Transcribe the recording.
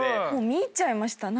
見入っちゃいました。